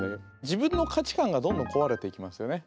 自分の価値観がどんどん壊れていきますよね。